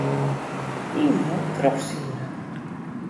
E-mail trochstjoere.